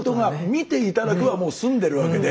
「見て頂く」はもう済んでるわけで。